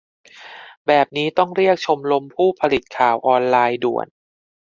แบบนี้ต้องเรียกชมรมผู้ผลิตข่าวออนไลน์ด่วน !